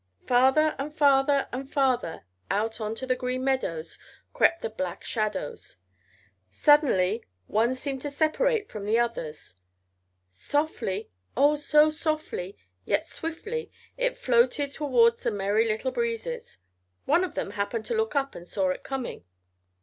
Farther and farther and farther out onto the Green Meadows crept the black shadows. Suddenly one seemed to separate from the others. Softly, oh so softly, yet swiftly, it floated over towards the Merry Little Breezes. One of them happened to look up and saw it coming.